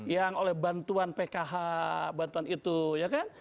yang oleh bantuan pkh bantuan itu ya kan